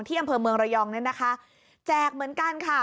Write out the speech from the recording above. อำเภอเมืองระยองเนี่ยนะคะแจกเหมือนกันค่ะ